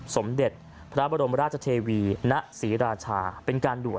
สมเด็จพระบรมราชเทวีณศรีราชาเป็นการด่วน